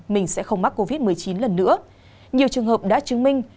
mình sẽ không mắc covid một mươi chín lần nữa nhiều trường hợp đã chứng minh